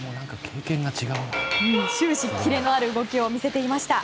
終始キレのある動きを見せていました。